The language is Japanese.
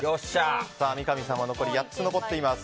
さあ、三上さんも残り８つ残っています。